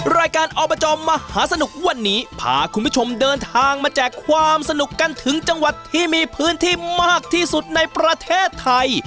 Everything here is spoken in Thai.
รายการอบจมหาสนุกวันนี้พาคุณผู้ชมเดินทางมาแจกความสนุกกันถึงจังหวัดที่มีพื้นที่มากที่สุดในประเทศไทย